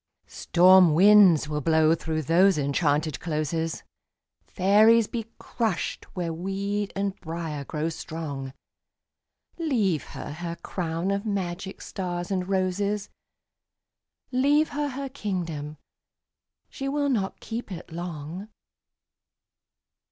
Storm winds will blow through those enchanted closes, Fairies be crushed where weed and briar grow strong ... Leave her her crown of magic stars and roses, Leave her her kingdom—she will not keep it long!